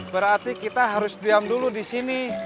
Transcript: berarti kita harus diam dulu di sini